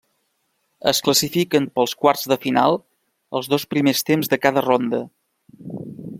Es classifiquen per als quarts de final els dos primers temps de cada ronda.